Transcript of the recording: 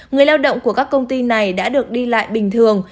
người lao động của các công ty này đã được đi lại bình thường